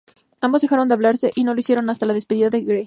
Ambos dejaron de hablarse y no lo hicieron hasta la despedida de Gehrig.